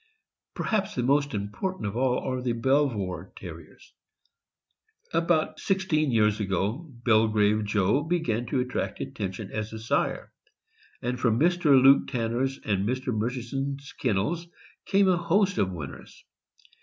Perhaps the most important of all are the Belvoir Ter riers. About sixteen years ago, Belgrave Joe began to attract attention as a sire, and from Mr. Luke Tanner' s and Mr. Murchison's kennels came a host of winners.